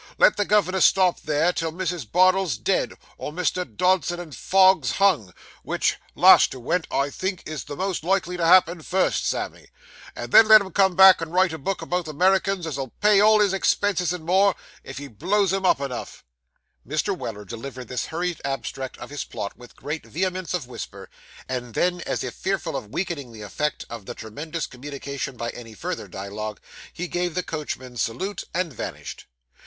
Let the gov'nor stop there, till Mrs. Bardell's dead, or Mr. Dodson and Fogg's hung (wich last ewent I think is the most likely to happen first, Sammy), and then let him come back and write a book about the 'Merrikins as'll pay all his expenses and more, if he blows 'em up enough.' Mr. Weller delivered this hurried abstract of his plot with great vehemence of whisper; and then, as if fearful of weakening the effect of the tremendous communication by any further dialogue, he gave the coachman's salute, and vanished.